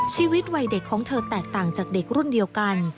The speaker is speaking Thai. ชีวิตวัยเด็กของเธอแตกต่างจากเด็กรุ่นเดียวกัน